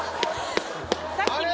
あれ？